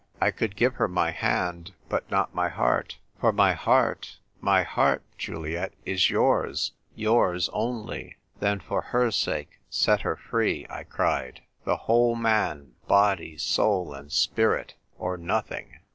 I could give her my hand, but not my heart ; for my heart, my heart, Juliet, is yours — yours only." " Then for her sake set her free," I cried. p 21 8 THE TYPE WRITER GIRL. "The whole man — body, soul, and spirit — or nothing."